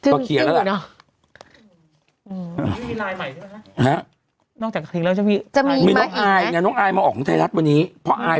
ขอบคุณนะครับขอบคุณนะครับขอบคุณนะครับ